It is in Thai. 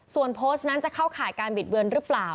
ส่วนโพสต์นั้นจะเข้าข่ายการบิดเบือนหรือเปล่า